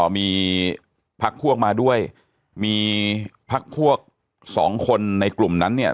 มีพักพวกมาด้วยมีพักพวกสองคนในกลุ่มนั้นเนี่ย